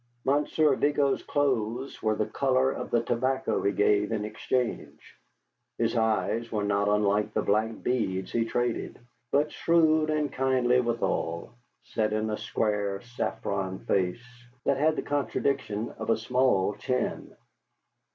Monsieur Vigo's clothes were the color of the tobacco he gave in exchange; his eyes were not unlike the black beads he traded, but shrewd and kindly withal, set in a square saffron face that had the contradiction of a small chin.